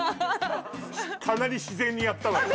かなり自然にやったわよ撮れました？